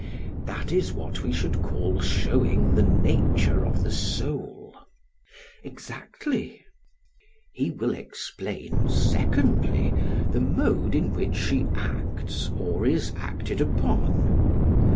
That is what we should call showing the nature of the soul. PHAEDRUS: Exactly. SOCRATES: He will explain, secondly, the mode in which she acts or is acted upon.